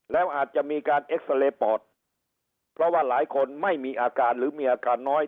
แล้วอาจจะมีการเอ็กซาเรย์ปอดเพราะว่าหลายคนไม่มีอาการหรือมีอาการน้อย